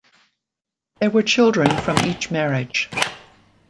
There were children from each marriage.